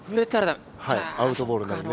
アウトボールになるので。